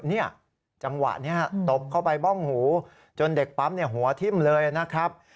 เนี่ยจังหวะนี้ตบเข้าไปบ้องหูจนเด็กปั๊มหัวทิ้มเลยนะครับ